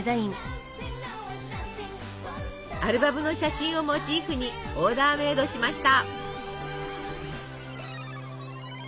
アルバムの写真をモチーフにオーダーメードしました。